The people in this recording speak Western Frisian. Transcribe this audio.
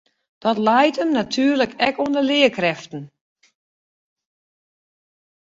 Dat leit him natuerlik ek oan de learkrêften.